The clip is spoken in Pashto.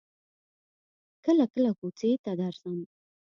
کله کله کوڅې ته درځم.